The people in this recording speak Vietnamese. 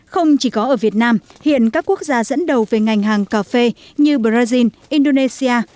không chỉ có ở việt nam hiện các quốc gia dẫn đầu về ngành hàng cà phê như brazil indonesia